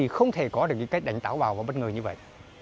không thể có được cái cách đánh thẳng vào và bất ngờ như vậy